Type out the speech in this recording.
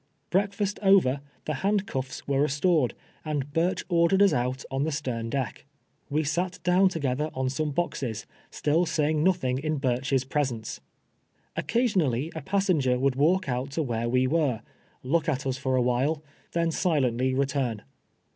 Breakfast over, the hand cuffs were restored, and Burch ordered us out on the stern deck. Wc sat down together ou some boxes, still sayirig nothing in Barch's presence. Occasionally a passenger would walk out to where we were, look at us for a w^hile, then silently return.